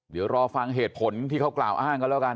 เดี๋ยวรอฟังเหตุผลที่เขากล่าวอ้างกันแล้วกัน